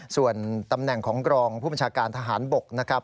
ส่วนตำแหน่งของกรองผู้บัญชาการทหารบกนะครับ